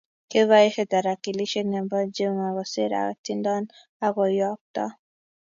Kiboisie tarakilishit ne bo Juma koser atindon akuyookto